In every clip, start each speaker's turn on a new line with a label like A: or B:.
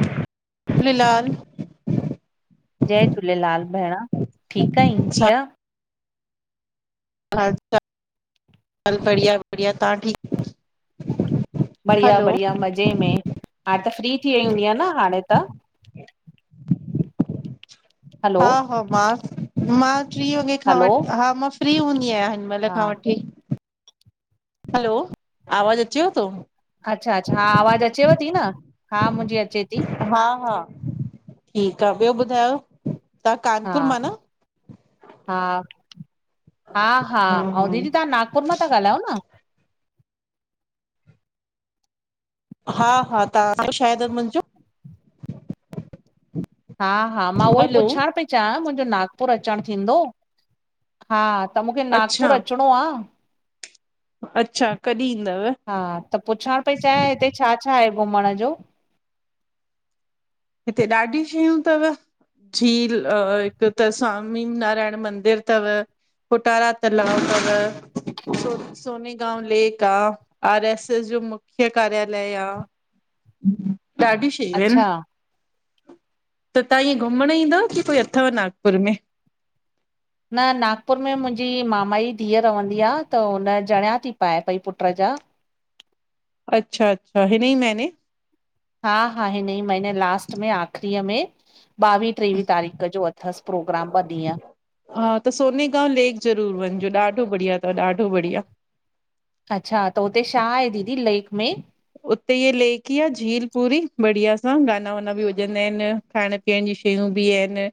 A: जय झूलेलाल।
B: जय झूलेलाल भेण, ठीकु आहीं?
A: छा
B: [unintelligible]
A: हा बढ़िया बढ़िया तहाँ ठीक [unintelligible]
B: बढ़िया- बढ़िया मज़े में, हाण त फ्री थी वई हूंदीअ न हाणे त? हलो
A: हा हा मां मां टी वॻे खां
B: हलो
A: वठी हा मां फ्री हूंदी आहियां हिन महिल
B: हा
A: खां वठी। [unintelligible] हलो, आवाज़ अचेव थो?
B: अच्छा अच्छा हा आवाज़ अचेव थी न, हा मुंहिंजी अचे थी
A: हा हा ठीकु आह, ॿियो ॿुधायो तव्हां
B: हा
A: कानपुर मां न?
B: हा हा हा,
A: हम्म
B: ऐं
A: हम्म,
B: दीदी तव्हां नागपुर मां था ॻाल्हायो न?
A: हा हा तव्हां शायदि मुंहिंजो [unintelligible]
B: हा हा मां उहो ई
A: हलो
B: पुछण पई चाहियां, मुंहिंजो नागपुर अचणु थींदो हा त मूंखे नागपुर
A: अच्छा
B: अचिणो आह।
A: अच्छा कॾहिं ईंदव
B: हा त पुछण पई चायां हिते छा? छा आहे घुमण जो?
A: हिते ॾाढी शयूं थव। झील, अ हिते त स्वामी नारायण मंदिर थव पुटारा तलाब तव। सोने गांव लेक आह, आर एस एस जो मुख्य कार्यालय आह। ॾाढी शयूं आहिनि।
B: अच्छा
A: त तव्हां ईअं घुमणु ईंदव, की कोई अथव नागपुर में?
B: न नागपुर में मुंहिंजी मामा जी धीअ रहंदी आहे। त हुन जणियां थी पाए पई पुट्र जा।
A: अच्छा- अच्छा, हिन ही महिने?
B: हा हा हिन ई महने लास्ट में आखिरीअ में, बॿावीह टेवीह तारीख़ जो अथसि प्रोग्राम ब् ॾींहं।
A: हा त सोनेगांव लेक ज़रूर वञिजो, ॾाढो बढ़िया अथव ॾाढो बढ़िया।
B: अछा, त हुते शा आहे दीदी लेक में?
A: उते लेक ई आह झील पूरी, बढ़िया सां गाना वाना बि वॼंदा आहिनि खाइण पीअण जी शयूं बि आहिनि।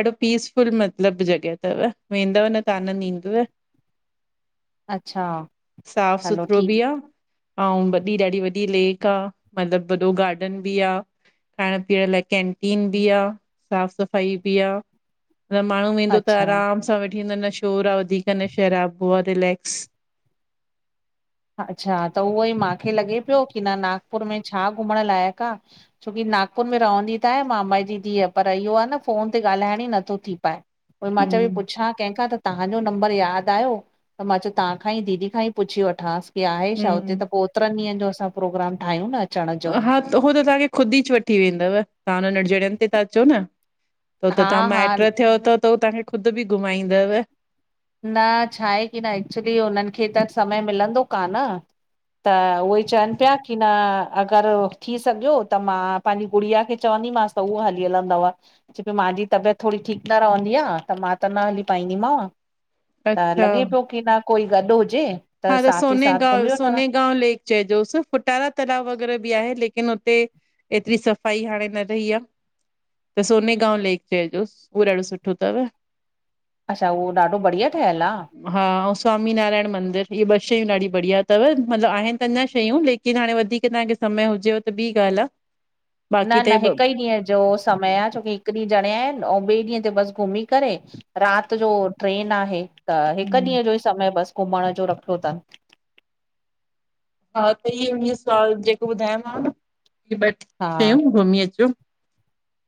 A: ॾाढो पीसफुल मतलबु जॻहि थव, वेंदव न त आनंद ईंदुव। [unintelligible]
B: अच्छा
A: साफ़
B: हलो
A: सुथरो
B: ठीकु
A: बि आहे अंऊं ब एॾी ॾाढी वॾी लेक आ, मतिलबु वॾो गार्डन बि आ। खाइण पीअण लाइ कैंटीन बि आ, साफ़ सफ़ाई बि आ। न माण्हू वेंदो त
B: अच्छा
A: आराम सां वेठी, न शोर आहे वधीक न शराबो आहे रिलेक्स
B: अच्छा, त उहो ई माखे लॻे पियो की न नागपुर में छा घुमणु लाइक़ु आ? छोकी नागपुर में रहंदी त आहे मामा जी धीअ, पर इहो आहे न फोन ते ॻाल्हाइण ई नथो थी पाए। उई मां चयो बि
A: हम्म
B: पुछां कंहिंखां त तहांजो नंबर यादि आयो, त मां चयो तव्हां खां ई दीदी खां ई पुछी वठांसि। की आहे शा हुते,
A: हम्म
B: त ओतिरनि ॾींहनि जो असां प्रोग्राम ठाहियूं न अचण जो।
A: हा त हु त तव्हांखे खुद ई छुट्टी वेंदव तव्हां हुन एड़ीन जॻायूंन ते ता अचो न हो
B: हा
A: तव्हां
B: हा
A: माइट्र थियो त त हू तव्हांखे ख़ुद बि घुमाईंदव।
B: न छा आहे की न एक्चुली हुननि खे त समय मिलंदो कान त उहे चवन पिया की न अगर थी सघियो त मां पानजी गुड़िया खे चवंदी मांस त उहो हली हलंदव। छो कि मांजी तबियत थोड़ी ठीक न रवंदी आ त मां त न हली पाईंदीमांव। त
A: अच्छा
B: लॻे पियो की न कोई गॾ हुजे।
A: हा त
B: साथ ई
A: सोने
B: साथ
A: गा
B: घुमी वठंदा
A: सोने गां लेक च जोर् फुटारा तालाव वग़ैरह बि आहे लेकिन हुते एतरी सफ़ाई हाणे न रही आ। त सोने गांव लेक चएजोस उहो ॾाढो सुठो तव।
B: अच्छा उहो ॾाढो बढ़िया ठहियल आ।
A: हा अउं स्वामी नारायण मंदिर हीअ ॿ शयूं ॾाढी बढ़िया तव मतलब आहिन त अञा शयूं लेकिन हाणे वधीक तव्हांखे समय हुजेव त ॿी ॻाल्हि आ।
B: न न हिक ई ॾींह जो समय आ छोकी हिक ॾींह जणिया आहिन अउं ॿिए ॾींहं ते बस घुमी करे रात जो ट्रेन आ त हिक ॾींहं जो ई समय बस घुमण जो रखियो तन।
A: हा त इ इ सवाल जेको ॿुधायोमांव ह ॿ
B: हा
A: शयूं घुमी अचो।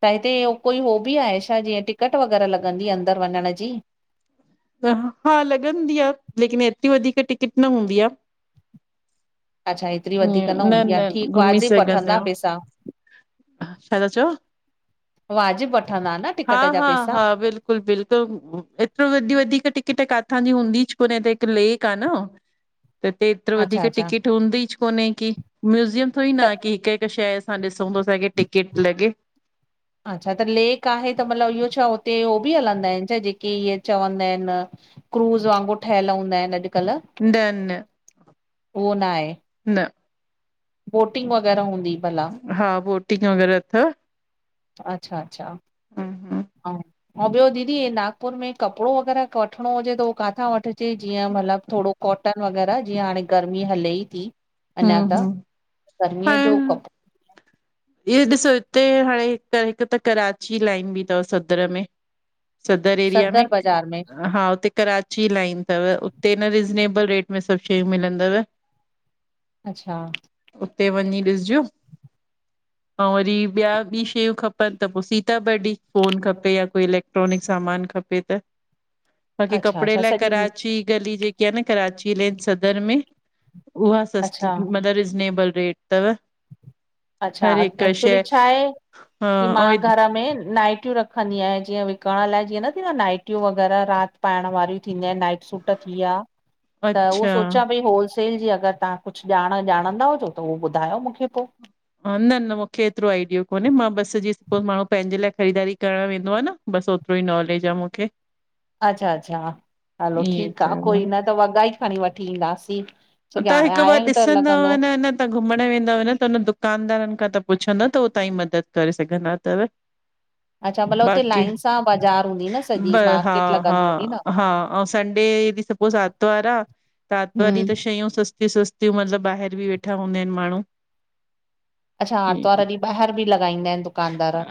B: त हिते हो को हो बि आए छा जीअं टिकट वग़ैरह लॻंदी अंदर वञण जी?
A: हा लॻंदी आ लेकिन एतिरी वधीक टिकट न हूंदी आ।
B: अच्छा हेतिरी वधीक
A: न
B: हूंदी आ
A: न
B: ठीकु
A: घुमी
B: वाजिब
A: सघंदा
B: वठंदा
A: आहियो।
B: पैसा
A: छा ता चओ
B: वाजिब वठंदा न
A: हा
B: टिकट जा
A: हा
B: पैसा?
A: हा बिल्कुल बिल्कुल बिल्कुल एतिरो टिकट काथां जी हूंदी छो त हिक लेक आ न त हिते एतिरो
B: अच्छा
A: वधीक
B: अच्छा
A: टिकट डूंदीच कोन्हे कें म्यूज़ियम थोड़ी
B: त
A: न की हिक हिक शहर असां ॾिसूं त असांखे टिकेट लॻे।
B: अच्छा त लेक आहे त मतलब इहो छा हुते उह बि हलंदा आहिन छा जेके इहे चवंदा आहिन क्रूज़ वांगुर ठहिल हूंदा आहिन अॼ अॼ
A: न न
B: उहो न आहे।
A: न
B: बोटिंग वगैर हूंदी भल
A: हा बोटिंग वग़ैरह तव।
B: अच्छा अच्छा
A: हम्म
B: अउं अउं ॿियो दीदी नागपुर में कपड़ो वग़ैरह वठणो हुजे त काथां वठजे जीअं मतलब थोड़ो कॉटन वग़ैरह जीअं हाणे गर्मी हले ई थी अञा
A: हम्म
B: त
A: हम्म
B: गर्मीअ जो कपड़ो
A: इह ॾिसो हिते हाणे हिक त कराची लाइन बि तव सधर में सदर एरिया में
B: बाज़ार में
A: हा हुते कराची लाइन तव उते न रिज़नेबल रेट में सब शयूं मिलंदव।
B: अच्छा
A: उते वञी ॾिसजो। ऐं वरी ॿिया ॿी शयूं खपन त पो सीता बर्डी फोन खपे या कोई इलेक्ट्रॉनिक सामान खपे। त बाक़ी
B: अच्छा
A: कपड़े
B: अच्छा
A: लाए
B: सॼी
A: कराची गली जेकी आहे न कराची लेन सदर में उहा सस्ती
B: अच्छा
A: मतिलब रिज़नेबल रेट तव।
B: अच्छा एक्चुली छा आहे की मां
A: हा ऐं
B: घर में नाइटियूं रख खंदी आहियां जीअं विकण लाए जीअं न थींदो नाइटियूं वग़ैरह रात पाएण वारियूं थींदी आहिन। सुट थी विया त उहो
A: अच्छा
B: सोचां भई होल सेल जी अगरि तव्हां कुझु ॼाण ॼाणंदा हुजो त उहो ॿुधायो मूंखे पो।
A: ह न न मूंखे एतिरो आइडियो कोन्हे मां बसि जीअं सपोस माण्हू पंहिंजे लाइ ख़रीदारी करणु वेंदो आ न। बस ओतिरो ई नॉलेज आ मूंखे।
B: [inaudible] अच्छा अच्छा हलो
A: ईअं
B: ठीकु
A: त
B: आ कोई न
A: तव्हां
B: त वॻा ई खणी वठी ईंदासीं। छोकी
A: तव्हां
B: हाणे
A: हिकु
B: आया
A: बार
B: आहियूं त
A: ॾिसंदव
B: लॻंदो
A: न न। तवां घुमण वेंदाव न त हुन दुकानदारन खां तव्हां पुछंदव त हो तांयी मदद करे सघंदा तव।
B: [inaudible] हुते
A: बाकी
B: लाइन सां बाज़ार हूंदी न
A: ब
B: सॼी
A: हा
B: मार्केट
A: हा
B: लॻंदी हूंदी न
A: हा आऊं संडे ॾीं स पो आर्तवार आ त आर्तवार ॾी त
B: हम्म
A: श शयूं सस्ती सस्तियूं मतिलबु ॿाहिर बि वेठा हूंदा आहिन माण्हू।
B: अच्छा आर्तवार ॾीं बाहर भी लॻाईंदा आहिन दुकानदार।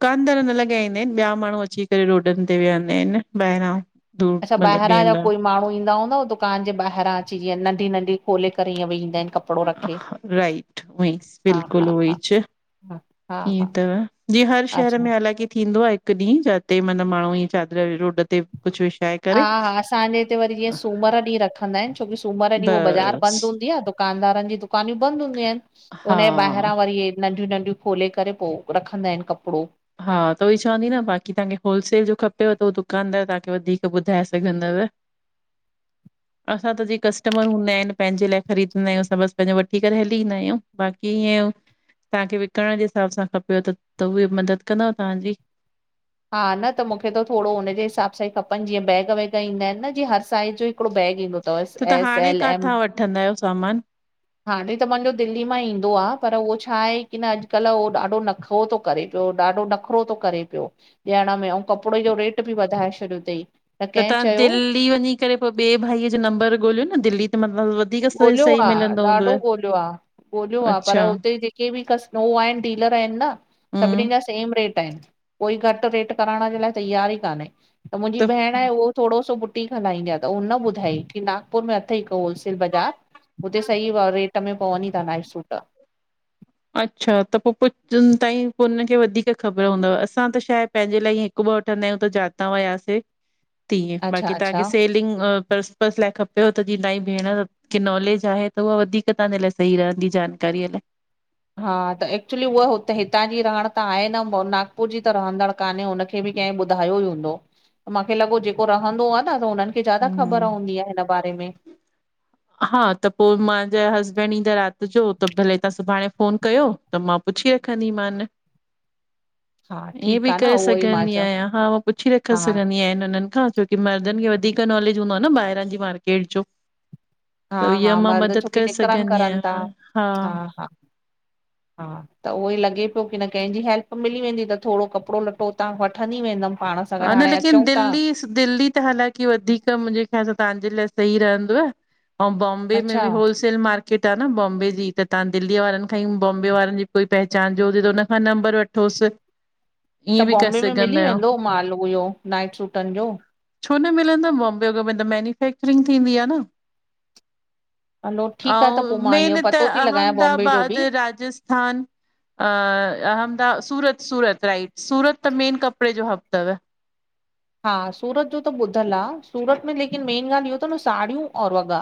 A: दुकानर न लॻाईंदा आहिनि ॿिया माण्हू अची करे रोडनि ते विहंदा आहिन ॿाहिरां। दूर
B: अच्छा
A: मतिलबु
B: ॿाहिरां जा
A: ॿिहंदा
B: कोई माण्हू ईंदा हूंदा हो दु दुकान जे ॿाहिरां अची जीअं नढी नंढी खोेले करे ईअ वईंदा आहिनि कप
A: राइट उएई
B: हा हा
A: बिल्कुलु
B: हा
A: उएईच।
B: हा हा
A: ईअं
B: हा
A: त जीअं हर शहर
B: अच्छा
A: में अलग ई थींदो आ। हिकु ॾींह जाते मतलब माण्हू ईअ चादर रोड ते कुछ विछाए
B: हा
A: करे
B: हा असांजे हिते वरी जीअं सूमर ॾीं रखंदा आहिन छोकी सूमर ॾींअ उह बाज़ार
A: बसि
B: बंदि हूंदी आ त दुकानदारनि जी दुकायूं बंदि हूंदियूं आहिन त हुन
A: हा
B: जे ॿाहिरां वरी ए नंढियूं नंढियूं खोले करे पो रखंदा आहिन कपिड़ो।
A: हा त उहई चवां ती न बाक़ी तव्हांखे होलसेल जो खपेव त उह दुकानदार तव्हांखे वधीक ॿुधाए सघंदव।
B: [inaudible]
A: असां त जीह कस्टमर हूंदा आहिन पंहिंजे लाइ ख़रीददा आयूं असां बसि पंहिंजो वठी करे हली ईंदा आयूं बाक़ी ईअं तव्हांखे विकिण जे हिसाब सां खपेव त त उहे मदद कंदव तव्हांजी।
B: हा न त मूंखे त थोरो हुनजे हिसाबु सां ई खपनि जीअं बैग वैग ईंदा आहिन न जीअं हर साइज़ जो हिकिड़ो बैग ईंदो तव
A: त तव्हां
B: एस
A: हाणे
B: एल एम
A: काथां वठंदा आयो सामान।
B: हाणे त मांजो दिल्ली मां ईंदो आ पर उहो छा आहे की न अॼुकल्ह उहो ॾाढो नख़रो थो करे। पियो ॾाढो नखरो थो करे पियो ॾियण में आऊं कपिड़े जो रेट बि वधाए छॾियो तईं।
A: त तव्हां दिल्ली वञी करे पोइ ॿे भाईअ जो नंबर ॻोल्हियो न दिल्ली त मतलब व
B: ॻोल्हियो आ, ॾाढो ॻोल्हियो आ। ॻोल्यो आ पर
A: अच्छा
B: हुते जेके भी कस उ आहिन डीलर आहिन न सभिनी
A: हम्म
B: जा सेम रेट आहिन कोई घटि रेट करण जे लाइ तयार ई काने त मुंहिंजी भेण आहे उह थोरो सो बुटीक हलाईंदी आ त उन ॿुधाई की नागपुर में अथई हिकु होलसेल बज़ार। हुते सही व रेट में पवनी था नाइट सूट।
A: अच्छा त पो पु जीन ताईं पो हुनखे वधीक ख़बर हूंदव असां त छा आहे पंहिंजे लाइ ई हिक ब वठंदा आहियूं त जाता वयासे
B: [inaudible]
A: तीअं
B: अच्छा
A: बाक़ी तव्हांखे
B: अच्छा।
A: सेलिंग अ पर्पस लाइ खपेव त जीअं तहांजी भेण की नॉलेज आहे त उहा वधीक तहांजे लाइ सही रहंदी जानकारीअ लाए।
B: हा त एक्चुली उआ हुते हितां जी रहण त आहे न नागपुर जी त रहंदड़ कान्हे हुनखे बि कंह ॿुधायो ई हूंदो। माखे लॻो जेको रहंदो आ न त हुननि खे ज्यादा
A: हम्म
B: ख़बर हूंदी आ हिन बारे में।
A: हा त पोइ मुंहिंजा हसबैंड ईंदा राति जो, त भले तव्हां सुभाणे फोन कयो। त मां पुछी रखंदीमान।
B: [unintelligible] हा
A: ईअं
B: ठीकु
A: बि
B: आ न
A: करे
B: उहो ई मां
A: सघंदी
B: चयो
A: आहियां। हा उ पुछी रख
B: हा
A: सघंदी आहियां हुनन खां छ की मर्दन खे वधीक नॉलेज हूंदो आ न ॿाहिरां जी मार्केट जो। त
B: हा-
A: इहा
B: हा
A: मां
B: मर्द छो
A: मदद
B: की
A: करे
B: निकरन
A: सघंदी
B: करन ता
A: आहियां
B: हा -हा- हा। त उहो ई लॻे पयो की न केजी हेल्प मिली वेंदी त थोॾो कपड़ो लटो हुतां वठंदी वेंदम पाण। सां गॾु
A: ह न
B: हाणे अचूं
A: लेकिन
B: था
A: दिल्ली दिल्ली त हालाकी वधीक मुंजे ख़याल तहांजे लाए सही रहदो। अउ बॉम बे में
B: अच्छा
A: बि होल सेल मार्केट आ न बॉम्बे जी त तहां दिल्ली वारन खां ई बॉम्बे वारन जी कोई पहचान जो हुजे त हुनखां नंबर वठ ठोस
B: त बॉम्बे में मिली वेंदो माल इहो नाइट सूटन जो?
A: छो न मिलंदा बॉम्बे अग में त मैन्युफैक्चरिंग थींदी आ न।
B: हलो ठीकु आहे त
A: ऐं
B: पोइ मां
A: मेन
B: इहो
A: त
B: पतो थी लॻायां बॉम्बे जो
A: अहमदाबाद,
B: बि
A: राजस स्थान, अहमदा, सूरत- सूरत राइट सूरत त मेन कपड़े जो हब तव।
B: हा सूरत जो त ॿुधल आ। सूरत में लेकिन मेन ॻाल इहो तव न साड़ियूं और वॻा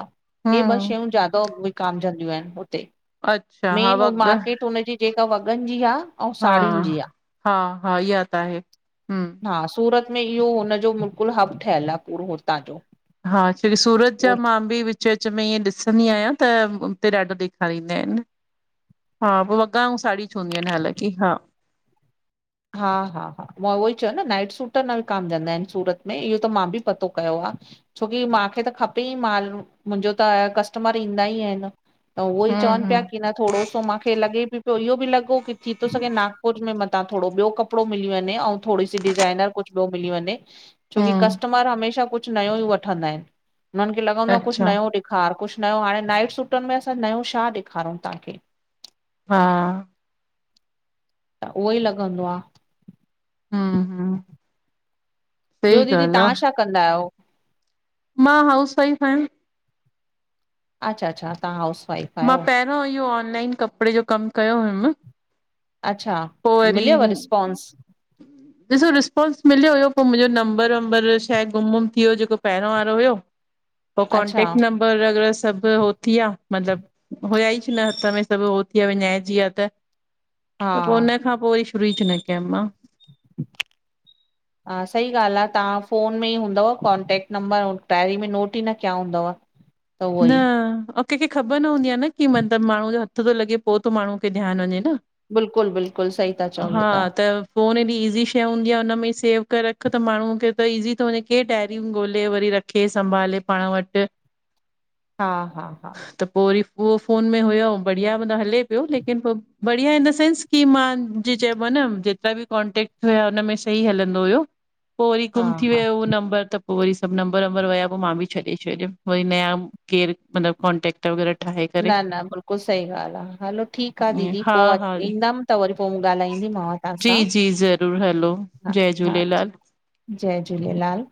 B: हे ॿ
A: हम्म
B: शयूं ज्यादा विकामजंदियूं आहिन हुते।
A: अच्छा हा
B: मेन उ
A: वॻ
B: मार्केट हुनजी जेका वॻन जी आ
A: हा -हा- हा इया ता आहे, हम्म
B: हा सूरत में इहो हुनजो बिल्कुल हब ठहियल आ पूरो हुतां जो
A: हा छोकी सूरत जा
B: उ
A: मां बि विच- विच में ईअं ॾिसंदी आयां त, उते ॾाढो ॾेखारींदा आहिन। हा पो वॻा ऐं साड़ी छ हूंदीयूं आहिन हालकी, हा
B: हा- हा- हा मां उहो ई चयो न नाइट सूट न विकामजंदा आहिन सूरत में इहो त मां बि पतो कयो आ। छोकी मांखे त खपे ई माल, मुंजो त कस्टमर ईंदा ई आहिन। त उहो ई
A: हम्म
B: चवन पया
A: हम्म
B: की न थोॾो सो मांखे लॻे बि पयो इहो बि लॻो की थी थो सघे नागपुर में मता थोॾो ॿयो कपड़ो मिली वञे, अउ थोॾी सी डिजाइनर कुझ ॿयो मिली वञे। छोकी
A: हम्म
B: कस्टमर हमेशा कुझ नयो ई वठंदा आहिन। हुनन खे लगंदो आ कुझ
A: अच्छा
B: नयो खार कुझ नयो हाणे नाइट सूटन में असां नओं छा ॾेखारयूं तहांखे?
A: हा
B: त उहो ई लॻंदो आ।
A: हम्म- हम्म
B: ॿयो
A: सही
B: दीदी
A: ॻाल्हि
B: तहां
A: आहे
B: छा कंदा आयो?
A: मां हाउस वाइफ आयां।
B: अच्छा -अच्छ तहां हाउस वाइफ
A: मां
B: आहियो,
A: पहिरों इहो ऑनलाइन कपड़े जो कम कयो हुयम।
B: अच्छा
A: पो वरी
B: मिलियव रिस्पॉन्स?
A: ॾिसो रिस्पोंस मिल्यो हुयो पो मुंजो नंबर- वंबर शा आहे गुम -वुम थी वियो जेको पहरो वारो हुयो। पो
B: अच्छा
A: कॉन्टेक नंब पर अगर सभु हो थीया, मतलबु हुया ई छ न हथ में सभु हो थीआ विञाई जी आ त [unintelligible]
B: हा
A: त पो उन खां पो वरी शुरू ई थी न कयमु, मां
B: हा सही ॻाल आ, तहां फ़ोन में ई हूंदव। कॉन्टेक्ट नंबर डायरी में नोट ई न किया हूंदव। [inaudible] ई
A: न केंखे ख़बर न हूंदी आ न की मतलब माण्हू जो हथ तो लॻे, पो तो माण्हूअ खे ध्यानु वञे न।
B: बिल्कुलु बिल्कुलु सही था चओ
A: हा
B: इहो
A: त फोनु एॾी ईॼी शइ हूंदी आ उन्ह मेंई सेव करे रखु, त माण्हूअ खे त इज़ी थियो वंञें। केरु डायरियूं ॻोल्हे वरी रख केरु संभाले पांण वटि
B: हा हा हा
A: त पो वरी उहो फोन में हुयो बढ़िया, मतिलबु हले पियो। लेकिन पो बढ़िया इन्हसेंस की मां, जीयं चइबो आ न, जेतिरा बि कॉन्टेक्ट हुया उनमें सही हलंदो हुयो पो वरी
B: हा
A: गुम थी
B: हा
A: वियो उहो, नंबर त पो वरी सभु नंब वंबर वया पो मां ॿि छॾे छॾियो। वरी नयां केर मतलबु कॉन्टेक्ट ट वग़ैरह ठाहे करे
B: न न बिल्कुलु सही ॻाल्हि आ, हलो ठीक आ
A: ईअं
B: दीदी
A: हा
B: पो अच्
A: हा
B: ईंदमि त वरी पो मुं ॻाल्हाईंदीमांव तव्हां सां
A: जी- जी ज़रूरु, हलो
B: हा
A: जय
B: हा
A: झूलेलाल।
B: जय झूलेलाल।